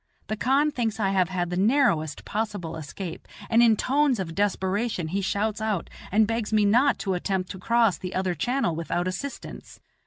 The khan thinks I have had the narrowest possible escape, and in tones of desperation he shouts out and begs me not to attempt to cross the other channel without assistance.